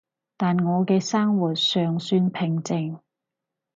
但我嘅生活尚算平靜